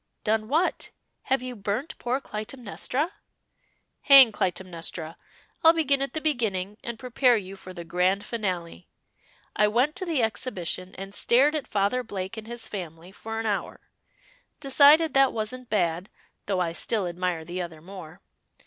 "Done what? Have you burnt poor Clytemnestra?" "Hang Clytemnestra! I'll begin at the beginning and prepare you for the grand finale. I went to the Exhibition, and stared at Father Blake and his family for an hour. Decided that wasn't bad, though I still admire the other more.